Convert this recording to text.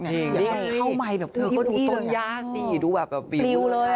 ใช่ดูต้นญ่าสีดูแบบปริ้วเลยอะ